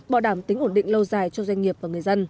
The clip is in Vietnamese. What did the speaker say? bảo đảm tính ổn định lâu dài cho doanh nghiệp và người dân